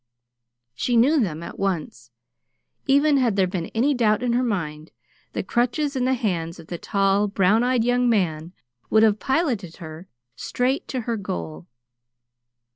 She knew them at once. Even had there been any doubt in her mind, the crutches in the hands of the tall, brown eyed young man would have piloted her straight to her goal.